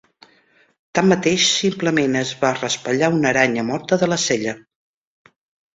Tanmateix, simplement es va raspallar una aranya morta de la cella.